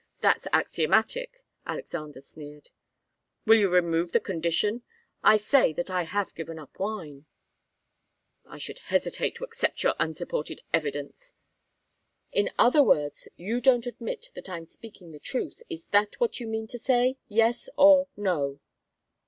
That's axiomatic." Alexander sneered. "Will you remove the condition? I say that I have given up wine." "I should hesitate to accept your unsupported evidence." "In other words, you don't admit that I'm speaking the truth? Is that what you mean to say? Yes, or no."